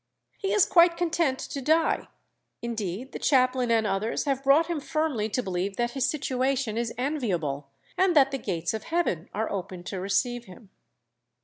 He is quite content to die; indeed the chaplain and others have brought him firmly to believe that his situation is enviable, and that the gates of heaven are open to receive him."